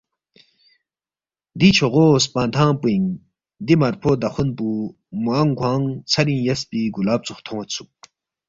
دی چھوغو سپنگ تھنگ پوئینگ دی مرفو داخون پو موانگ کھوانگ ژھرینگ یسپی گلاب ژوخ تھونید سوک۔